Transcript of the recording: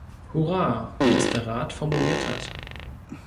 Hurra, wie es der Rat formuliert hat.